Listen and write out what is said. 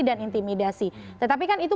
dan intimidasi tetapi kan itu